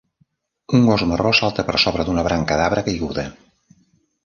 Un gos marró salta per sobre d'una branca d'arbre caiguda.